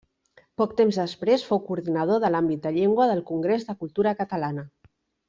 Poc temps després fou coordinador de l’Àmbit de Llengua del Congrés de Cultura Catalana.